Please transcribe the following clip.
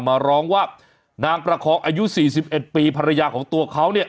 มาร้องว่านางประคองอายุ๔๑ปีภรรยาของตัวเขาเนี่ย